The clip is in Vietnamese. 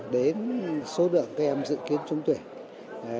đến số đoạn các em dự kiến chúng tôi